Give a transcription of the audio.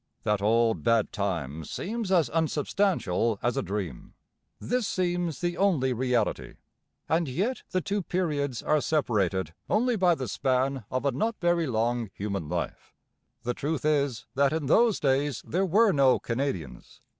That old, bad time seems as unsubstantial as a dream; this seems the only reality; and yet the two periods are separated only by the span of a not very long human life. The truth is that in those days there were no Canadians.